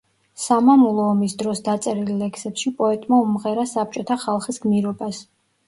სამამულო ომის დროს დაწერილ ლექსებში პოეტმა უმღერა საბჭოთა ხალხის გმირობას.